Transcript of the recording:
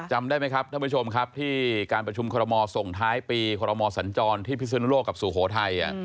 จำได้ไหมครับท่านผู้ชมครับที่การประชุมคอรมอส่งท้ายปีคอรมอสัญจรที่พิศนุโลกกับสุโขทัย